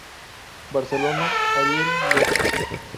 Barcelona: Ariel Letras.